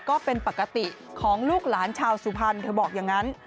ก็เป็นปกติของลูกหลานชาวสุพรรณเธอบอกอย่างนั้น